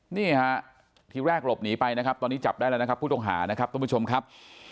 นี่ค่ะทีแรกหลบหนีไปนะครับตอนนี้จับได้แล้วนะครับผู้ต้องหานะครับ